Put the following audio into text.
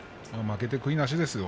負けて悔いなしですよ。